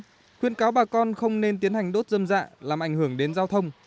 tuy nhiên khuyên cáo bà con không nên tiến hành đốt dâm dạ làm ảnh hưởng đến giao thông